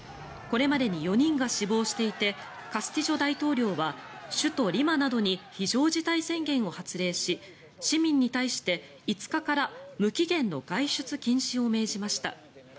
これまでに４人が死亡していてカスティジョ大統領は首都リマなどに非常事態宣言を発令し市民に対して５日から無期限の外出禁止を命じました。